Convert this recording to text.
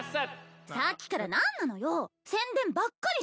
さっきから何なのよ宣伝ばっかりじゃない。